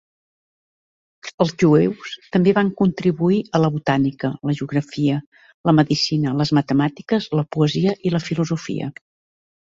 Els jueus també van contribuir a la botànica, la geografia, la medicina, les matemàtiques, la poesia i la filosofia.